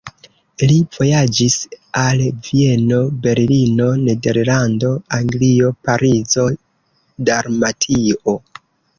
Li vojaĝis al Vieno, Berlino, Nederlando, Anglio, Parizo, Dalmatio.